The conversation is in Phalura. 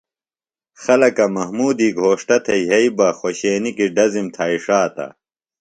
خلکہ محمودی گھوݜٹہ تھےۡ یھئی بہ خوشینیۡ کیۡ ڈزم تھائی ݜاتہ۔